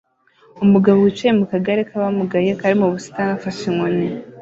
Umugabo wicaye mu kagare k'abamugaye kari mu busitani afashe inkoni